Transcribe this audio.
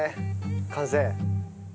完成？